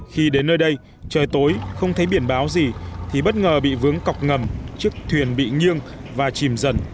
khi đến nơi đây trời tối không thấy biển báo gì thì bất ngờ bị vướng cọc ngầm chiếc thuyền bị nghiêng và chìm dần